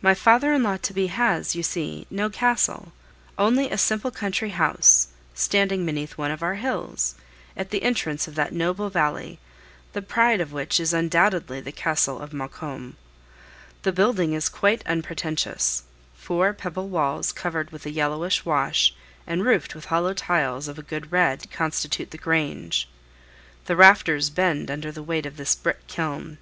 My father in law to be has, you see, no castle, only a simple country house, standing beneath one of our hills, at the entrance of that noble valley, the pride of which is undoubtedly the Castle of Maucombe. The building is quite unpretentious: four pebble walls covered with a yellowish wash, and roofed with hollow tiles of a good red, constitute the grange. The rafters bend under the weight of this brick kiln.